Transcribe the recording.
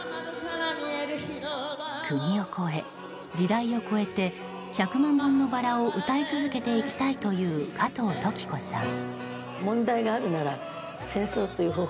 国を越え、時代を超えて「百万本のバラ」を歌い続けていきたいという加藤登紀子さん。